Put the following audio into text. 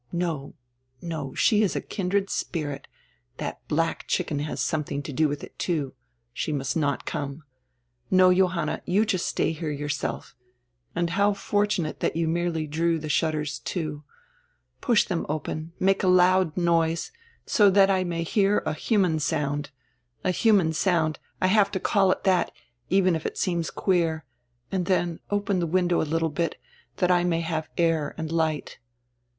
"No, no, she is a kindred spirit. That black chicken has something to do with it, too. She must not come. No, Johanna, you just stay here yourself. And how fortunate diat you merely drew die shutters to. Push diem open, make a loud noise, so diat I may hear a human sound, a human sound — I have to call it diat, even if it seems queer — and dien open die window a little bit, diat I may have air and light."